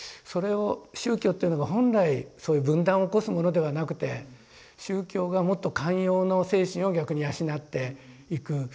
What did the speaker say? それを宗教っていうのが本来そういう分断を起こすものではなくて宗教がもっと寛容の精神を逆に養っていく。